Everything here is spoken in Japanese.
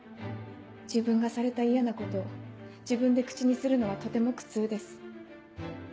自分がされた嫌なことを自分で口にするのはとても苦痛です。